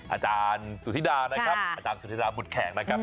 อาจารย์สุธิดานะครับอาจารย์สุธิดาบุตรแขกนะครับ